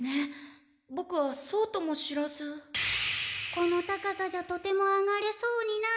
この高さじゃとても上がれそうにない。